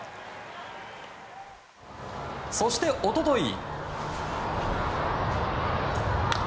そして、一昨日。